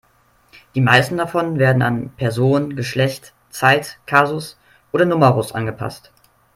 Die meisten davon werden an Person, Geschlecht, Zeit, Kasus oder Numerus angepasst.